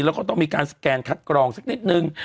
แล้วก็ต้องมีการสแกนคัดกรองสักนิดนึง